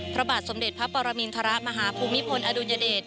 พระบาทสมเด็จพระปรมินทรมาฮภูมิพลอดุลยเดช